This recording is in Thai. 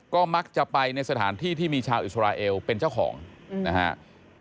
ก็มักจะไปในสถานที่ที่มีชาวอิสราเอลเป็นเจ้าของนะครับ